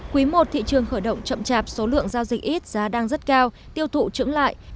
quý một thị trường khởi động chậm chạp số lượng giao dịch ít giá đang rất cao tiêu thụ trưởng lại